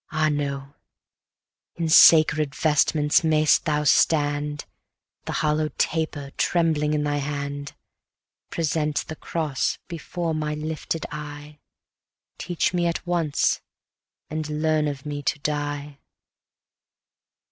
Ah, no! in sacred vestments may'st thou stand, The hallow'd taper trembling in thy hand, Present the cross before my lifted eye, Teach me at once, and learn of me to die.